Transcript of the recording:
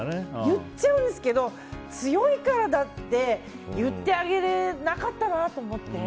言っちゃうんですけど強いからだって言ってあげれなかったなと思って。